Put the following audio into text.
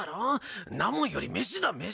んなもんより飯だ飯。